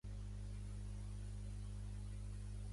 Telefona a l'Aurora Miro.